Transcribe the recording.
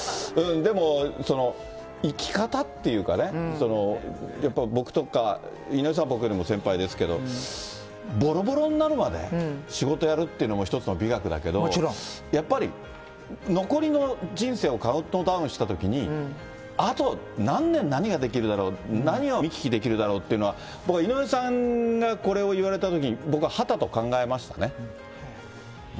でも、生き方っていうかね、やっぱり僕とか、井上さんは僕よりも先輩ですけど、ぼろぼろになるまで、仕事やるっていうのも一つの美学だけど、やっぱり残りの人生をカウントダウンしたときに、あと何年何ができるだろう、何を見聞きできるだろうっていうのは、僕は井上さんがこれを言われたときに、僕ははたと考えましたね。